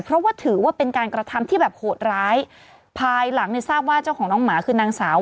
เพราะว่าถือว่าเป็นการกระทำที่แบบโหดร้ายภายหลังเนี่ยทราบว่าเจ้าของน้องหมาคือนางสาว